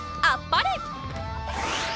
あっぱれ！